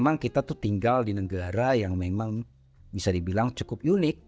memang kita tuh tinggal di negara yang memang bisa dibilang cukup unik